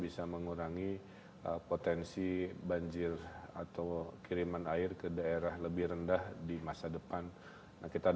saat ini bergabung dalam hal ini